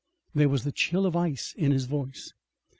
There was the chill of ice in his voice.